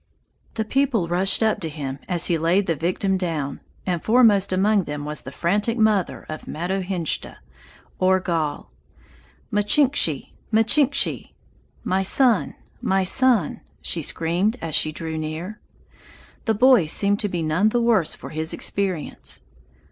The people rushed up to him as he laid the victim down, and foremost among them was the frantic mother of Matohinshda, or Gall. "Michinkshe! michinkshe!" (My son! my son!) she screamed as she drew near. The boy seemed to be none the worse for his experience.